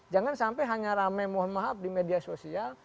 jangan sampai hanya rame mohon maaf di media sosial